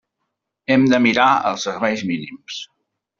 Hem de mirar els serveis mínims.